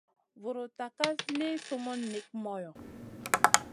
Vuruta ka li summun nik moyo.